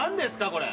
これ。